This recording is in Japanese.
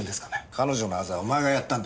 彼女のアザはお前がやったんだよな。